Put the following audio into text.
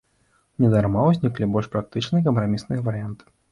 Не дарма ўзніклі больш практычныя кампрамісныя варыянты.